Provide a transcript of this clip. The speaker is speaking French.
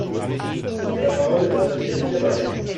La parole est à Madame Ericka Bareigts.